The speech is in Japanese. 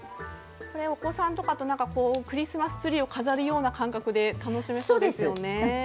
お子さんとかとクリスマスツリーを飾る感覚で楽しめそうですね。